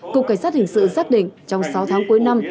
cục cảnh sát hình sự xác định trong sáu tháng cuối năm